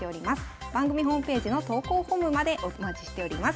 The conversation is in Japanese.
番組ホームページの投稿フォームまでお待ちしております。